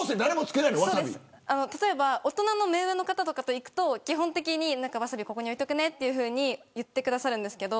例えば大人の目上の方とかと行くと基本的に、ワサビここに置いておくねと言ってくださるんですが。